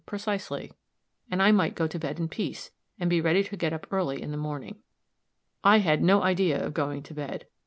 precisely, and I might go to bed in peace, and be ready to get up early in the morning." I had no idea of going to bed.